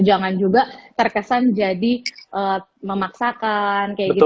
jangan juga terkesan jadi memaksakan kayak gitu